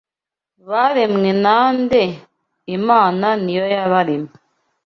Baremwe na nde Imana ni yo yabaremye